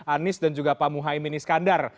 anies dan juga pak muhaymin iskandar